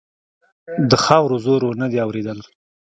د خاورو زور و؛ نه دې اورېدل.